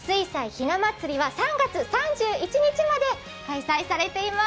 ひな祭りは３月３１日まで開催されています。